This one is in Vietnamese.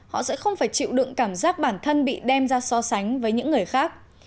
họ sẽ không phải chịu đựng cảm giác bản thân bị đem ra so sánh với những người khác